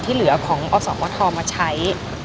เพื่อของอสมทมาใช้